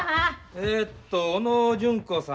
えっと小野純子さん。